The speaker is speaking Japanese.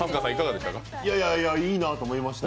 いいなと思いましたよ。